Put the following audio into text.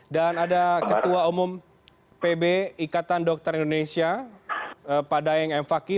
dan ada ketua umum pb ikatan dokter indonesia pak daeng m fakih